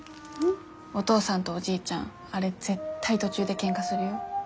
お父さんとおじいちゃんあれ絶対途中でけんかするよ？